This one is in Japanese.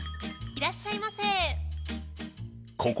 いらっしゃいませ。